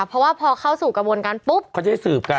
เพราะว่าพอเข้าสู่กระบวนการปุ๊บเขาจะได้สืบกัน